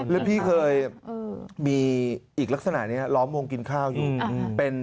แล้วพี่เคยมีอีกลักษณะนี้ล้อมวงกินข้าวอยู่